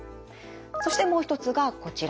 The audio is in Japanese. そしてもう一つがこちら。